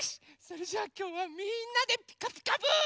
それじゃあきょうはみんなで「ピカピカブ！」。